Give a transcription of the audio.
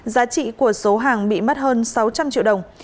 giá trị của số hàng bị mất hơn sáu trăm linh triệu đồng